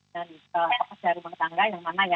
dari pekerja rumah tangga yang mana